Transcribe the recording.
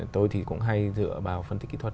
tôi thì cũng hay dựa vào phân tích kỹ thuật